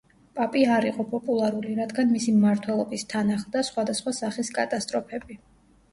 პაპი არ იყო პოპულარული, რადგან მისი მმართველობის თან ახლდა სხვადასხვა სახის კატასტროფები.